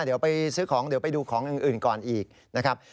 เดี๋ยวไปซื้อของเดี๋ยวไปดูของอื่นก่อนอีกนะครับ